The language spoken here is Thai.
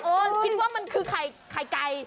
เออคิดว่ามันคือใคร่ใกล้